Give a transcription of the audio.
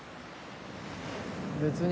別に。